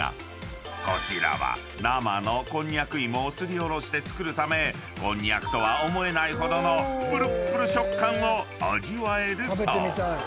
［こちらは生のこんにゃく芋をすりおろして作るためこんにゃくとは思えないほどのプルップル食感を味わえるそう］